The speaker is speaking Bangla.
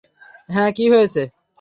হ্যাঁ, কি হয়েছে?